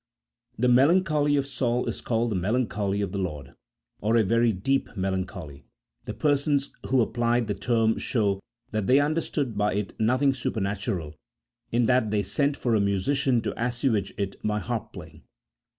The melancholy of Saul is called the melancholy of the Lord, or a very deep melancholy, the persons who applied the term showing that they understood by it nothing super natural, in that they sent for a musician to assuage it by harp playing.